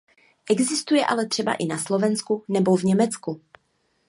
Existuje ale třeba i na Slovensku nebo v Německu.